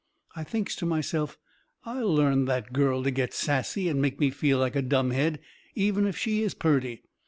I thinks to myself I'll learn that girl to get sassy and make me feel like a dumb head, even if she is purty.